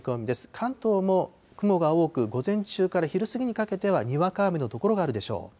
関東も雲が多く、午前中から昼過ぎにかけては、にわか雨の所があるでしょう。